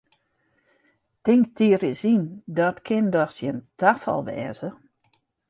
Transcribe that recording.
Tink dy ris yn, dat kin dochs gjin tafal wêze!